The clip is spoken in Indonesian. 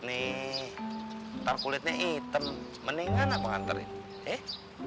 ntar kulitnya item mendingan apa nganterin eh